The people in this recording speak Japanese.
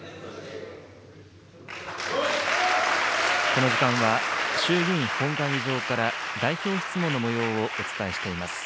この時間は、衆議院本会議場から代表質問のもようをお伝えしています。